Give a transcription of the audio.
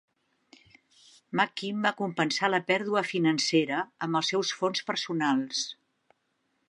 McKim va compensar la pèrdua financera amb els seus fons personals.